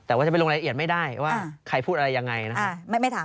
แต่ว่าจะไปลงรายละเอียดไม่ได้ว่าใครพูดอะไรยังไงนะครับ